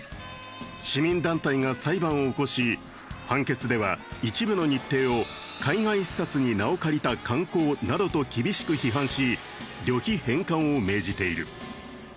市民団体が裁判を起こし判決では一部の日程を海外視察に名を借りた観光などと厳しく批判し旅費返還を命じている。